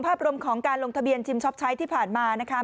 ภาพรวมของการลงทะเบียนชิมช็อปใช้ที่ผ่านมานะคะ